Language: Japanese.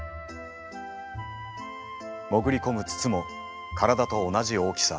潜り込む筒も体と同じ大きさ！